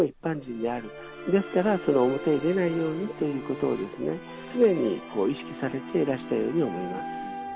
ですから、表に出ないようにということを常に意識されていらしたように思い